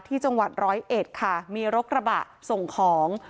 ที่จังหวัดร้อยเอ็ดค่ะมีรถกระบะส่งของ